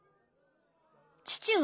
父上。